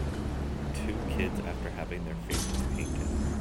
Two kids after having their faces painted.